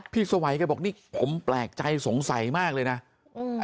สวัยแกบอกนี่ผมแปลกใจสงสัยมากเลยนะอืม